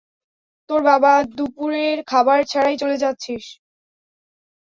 তোর বাবার দুপুরের খাবার ছাড়াই চলে যাচ্ছিস।